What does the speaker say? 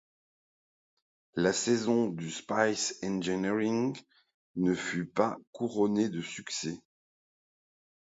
La saison du Spice Engineering ne fut pas couronnée de succès.